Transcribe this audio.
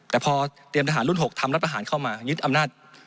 แต่พอเตรียมทหารรุ่น๖ทำรัฐประหารเข้ามายึดอำนาจ